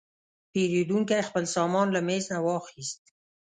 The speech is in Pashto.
پیرودونکی خپل سامان له میز نه واخیست.